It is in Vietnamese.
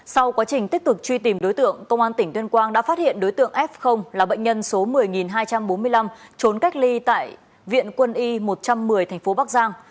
sau quá trình tích cực truy tìm đối tượng công an tỉnh tuyên quang đã phát hiện đối tượng f là bệnh nhân số một mươi hai trăm bốn mươi năm trốn cách ly tại viện quân y một trăm một mươi tp bắc giang